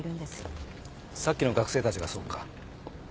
さっきの学生たちがそうか。